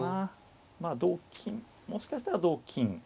まあ同金もしかしたら同金。